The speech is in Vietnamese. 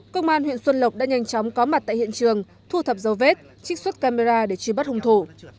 công an huyện xuân lộc đã nhanh chóng có mặt tại hiện trường thu thập dấu vết trích xuất camera để truy bắt hung thủ